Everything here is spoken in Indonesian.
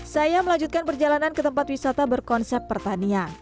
saya melanjutkan perjalanan ke tempat wisata berkonsep pertanian